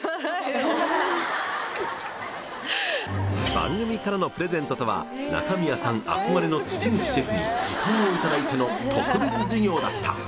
番組からのプレゼントとは中宮さん憧れの辻口シェフに時間を頂いての特別授業だった。